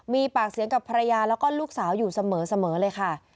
มีปากเสียงกับภรรยาแล้วก็ลูกสาวอยู่เสมอเลยค่ะ